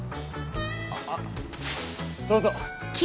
あどうぞ。